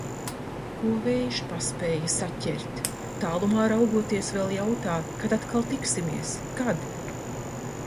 Ko vējš paspēja saķert. Tālumā raugoties vēl jautā, kad atkal tiksimies? Kad?